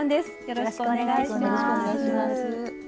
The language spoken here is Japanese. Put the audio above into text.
よろしくお願いします。